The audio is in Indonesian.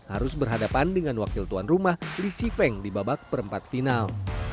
harus berhadapan dengan wakil tuan rumah lisi feng di babak perempat final